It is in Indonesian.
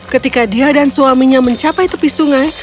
ketika dia dan suaminya mencapai tepi sungai